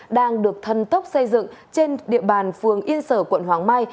đang được thân tốc xây dựng trên địa bàn phường yên sở quận hoàng mai